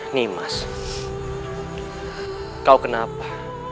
nih mas kau kenapa